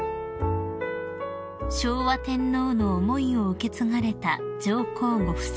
［昭和天皇の思いを受け継がれた上皇ご夫妻］